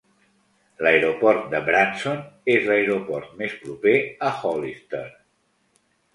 L'Aeroport de Branson és l'aeroport més proper a Hollister.